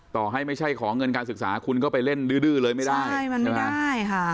ต่อให้ไม่ใช่ของเงินการศึกษาคุณก็ไปเล่นดื้อดื้อเลยไม่ได้ใช่มันใช่ไหมใช่ค่ะ